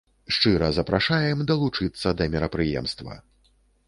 Шчыра запрашаем далучыцца да мерапрыемства.